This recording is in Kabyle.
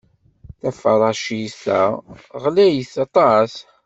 Taferracit-a ɣlayet aṭas.